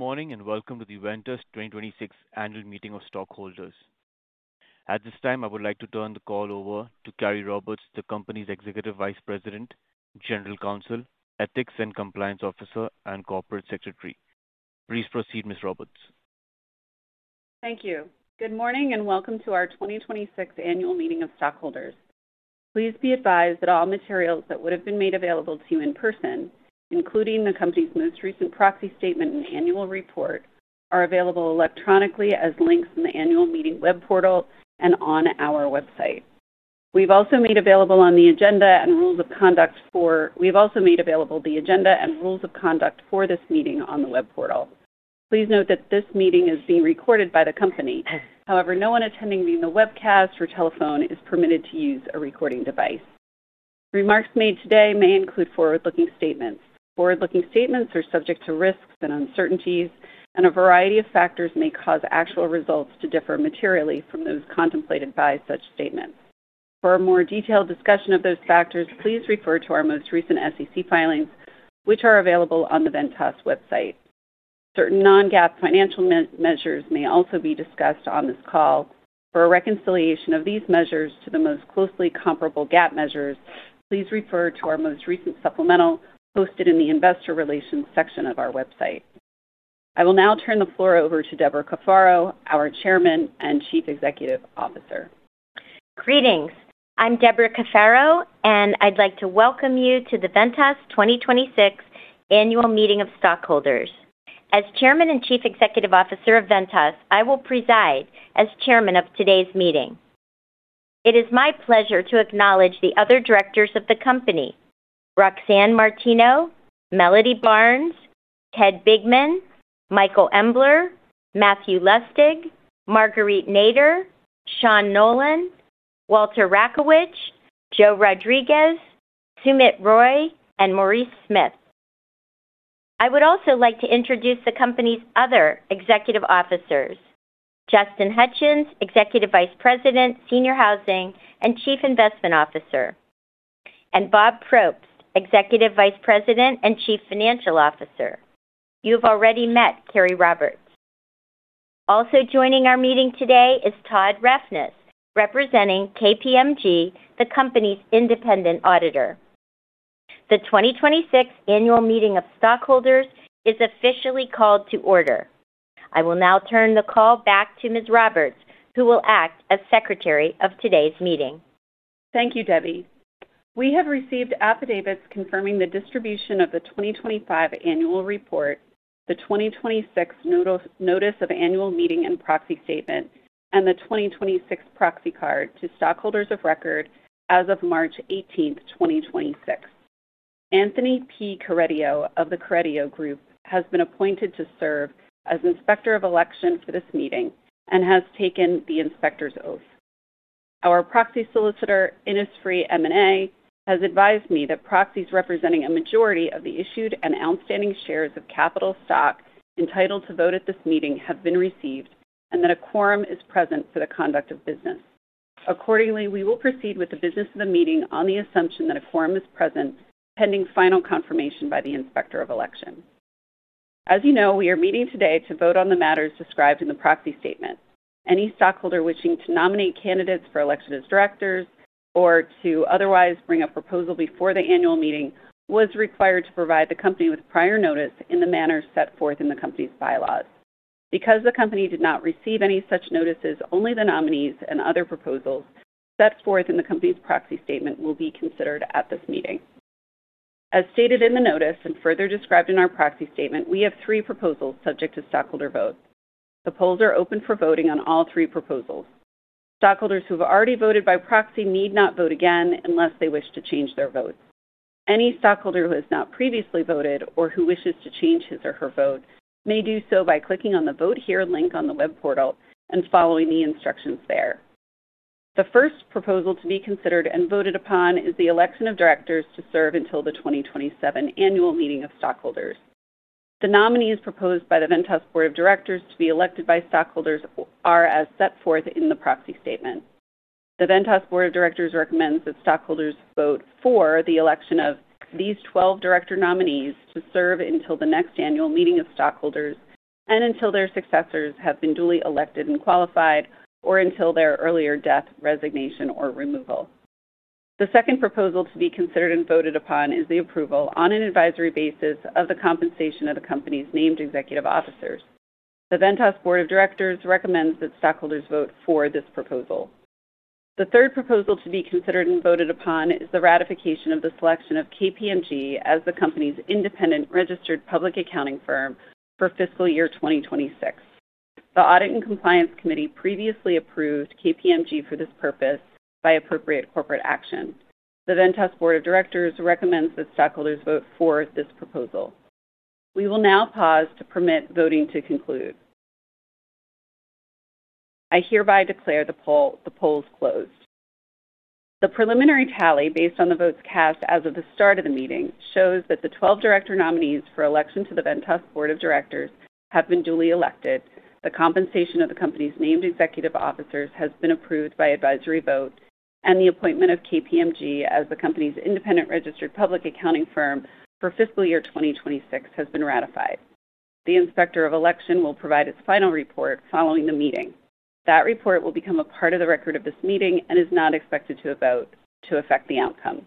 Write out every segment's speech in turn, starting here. Morning, welcome to the Ventas 2026 annual meeting of stockholders. At this time, I would like to turn the call over to Carey Roberts, the company's Executive Vice President, General Counsel, Ethics and Compliance Officer, and Corporate Secretary. Please proceed, Ms. Roberts. Thank you. Good morning, welcome to our 2026 annual meeting of stockholders. Please be advised that all materials that would have been made available to you in person, including the company's most recent proxy statement and annual report, are available electronically as links in the annual meeting web portal and on our website. We've also made available the agenda and rules of conduct for this meeting on the web portal. Please note that this meeting is being recorded by the company. However, no one attending via the webcast or telephone is permitted to use a recording device. Remarks made today may include forward-looking statements. Forward-looking statements are subject to risks and uncertainties, a variety of factors may cause actual results to differ materially from those contemplated by such statements. For a more detailed discussion of those factors, please refer to our most recent SEC filings, which are available on the Ventas website. Certain non-GAAP financial measures may also be discussed on this call. For a reconciliation of these measures to the most closely comparable GAAP measures, please refer to our most recent supplemental posted in the investor relations section of our website. I will now turn the floor over to Debra Cafaro, our Chairman and Chief Executive Officer. Greetings. I'm Debra Cafaro, I'd like to welcome you to the Ventas 2026 annual meeting of stockholders. As Chairman and Chief Executive Officer of Ventas, I will preside as chairman of today's meeting. It is my pleasure to acknowledge the other directors of the company, Roxanne Martino, Melody Barnes, Ted Bigman, Michael Embler, Matthew Lustig, Marguerite Nader, Sean Nolan, Walter Rakowich, Joe Rodriguez, Sumit Roy, and Maurice Smith. I would also like to introduce the company's other executive officers, Justin Hutchens, Executive Vice President, Senior Housing and Chief Investment Officer, and Bob Probst, Executive Vice President and Chief Financial Officer. You have already met Carey Roberts. Also joining our meeting today is Todd Refnes, representing KPMG, the company's independent auditor. The 2026 annual meeting of stockholders is officially called to order. I will now turn the call back to Ms. Roberts, who will act as secretary of today's meeting. Thank you, Debbie. We have received affidavits confirming the distribution of the 2025 annual report, the 2026 notice of annual meeting and proxy statement, and the 2026 proxy card to stockholders of record as of March 18th, 2026. Anthony P. Carideo of The Carideo Group has been appointed to serve as Inspector of Election for this meeting and has taken the inspector's oath. Our proxy solicitor, Innisfree M&A, has advised me that proxies representing a majority of the issued and outstanding shares of capital stock entitled to vote at this meeting have been received and that a quorum is present for the conduct of business. Accordingly, we will proceed with the business of the meeting on the assumption that a quorum is present, pending final confirmation by the Inspector of Election. As you know, we are meeting today to vote on the matters described in the proxy statement. Any stockholder wishing to nominate candidates for election as directors or to otherwise bring a proposal before the annual meeting was required to provide the company with prior notice in the manner set forth in the company's bylaws. Because the company did not receive any such notices, only the nominees and other proposals set forth in the company's proxy statement will be considered at this meeting. As stated in the notice and further described in our proxy statement, we have three proposals subject to stockholder vote. The polls are open for voting on all three proposals. Stockholders who have already voted by proxy need not vote again unless they wish to change their vote. Any stockholder who has not previously voted or who wishes to change his or her vote may do so by clicking on the Vote Here link on the web portal and following the instructions there. The first proposal to be considered and voted upon is the election of directors to serve until the 2027 annual meeting of stockholders. The nominees proposed by the Ventas Board of Directors to be elected by stockholders are as set forth in the proxy statement. The Ventas Board of Directors recommends that stockholders vote for the election of these 12 director nominees to serve until the next annual meeting of stockholders and until their successors have been duly elected and qualified, or until their earlier death, resignation, or removal. The second proposal to be considered and voted upon is the approval, on an advisory basis, of the compensation of the company's named executive officers. The Ventas Board of Directors recommends that stockholders vote for this proposal. The third proposal to be considered and voted upon is the ratification of the selection of KPMG as the company's independent registered public accounting firm for fiscal year 2026. The Audit and Compliance Committee previously approved KPMG for this purpose by appropriate corporate action. The Ventas Board of Directors recommends that stockholders vote for this proposal. We will now pause to permit voting to conclude. I hereby declare the polls closed. The preliminary tally based on the votes cast as of the start of the meeting shows that the 12 director nominees for election to the Ventas Board of Directors have been duly elected, the compensation of the company's named executive officers has been approved by advisory vote, and the appointment of KPMG as the company's independent registered public accounting firm for fiscal year 2026 has been ratified. The Inspector of Election will provide its final report following the meeting. That report will become a part of the record of this meeting and is not expected to affect the outcome.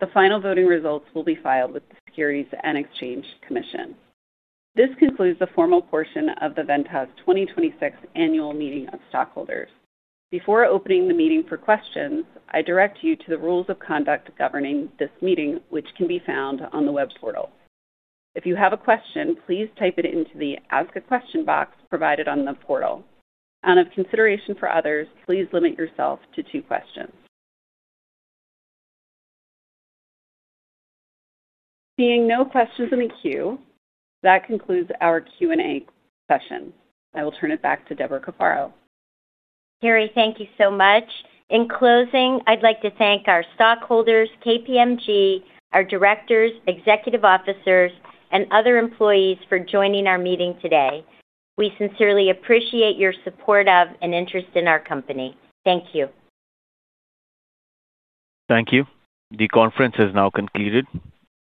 The final voting results will be filed with the Securities and Exchange Commission. This concludes the formal portion of the Ventas 2026 annual meeting of stockholders. Before opening the meeting for questions, I direct you to the rules of conduct governing this meeting, which can be found on the web portal. If you have a question, please type it into the Ask a Question box provided on the portal. Out of consideration for others, please limit yourself to two questions. Seeing no questions in the queue, that concludes our Q&A session. I will turn it back to Debra Cafaro. Carey, thank you so much. In closing, I'd like to thank our stockholders, KPMG, our directors, executive officers, and other employees for joining our meeting today. We sincerely appreciate your support of and interest in our company. Thank you. Thank you. The conference has now concluded.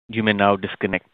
You may now disconnect.